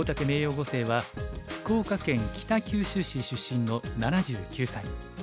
名誉碁聖は福岡県北九州市出身の７９歳。